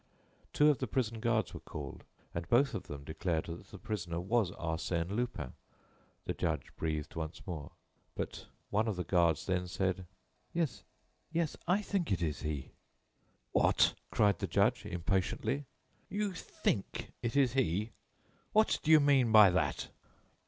Two of the prison guards were called and both of them declared that the prisoner was Arsène Lupin. The judged breathed once more. But one of the guards then said: "Yes, yes, I think it is he." "What!" cried the judge, impatiently, "you *think* it is he! What do you mean by that?"